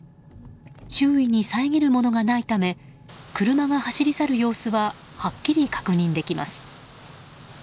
周囲に遮るものがないため車が走り去る様子ははっきり確認できます。